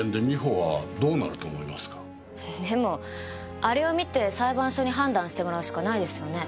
でもあれを見て裁判所に判断してもらうしかないですよね。